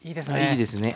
いいですね。